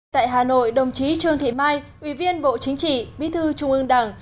tại hà nội đồng chí trương thị mai ủy viên bộ chính trị bí thư trung ương đảng